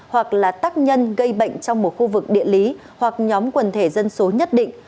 hoặc là tắc nhân gây bệnh trong một khu vực địa lý hoặc nhóm quần thể dân số nhất định